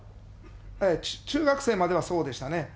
中学生まではそうでしたね。